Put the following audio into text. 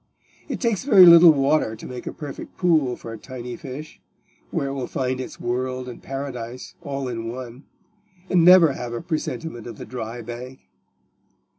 It takes very little water to make a perfect pool for a tiny fish, where it will find its world and paradise all in one, and never have a presentiment of the dry bank.